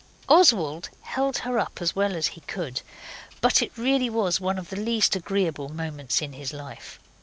Oswald held her up as well as he could, but it really was one of the least agreeable moments in his life.